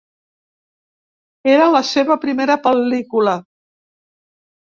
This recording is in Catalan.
Era la seva primera pel·lícula.